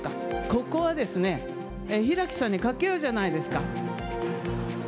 ここはですね、平木さんに賭けようじゃないですか。